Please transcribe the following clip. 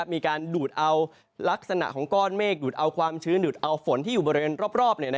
มีการดูดเอาลักษณะของก้อนเมฆดูดเอาความชื้นดูดเอาฝนที่อยู่บริเวณรอบ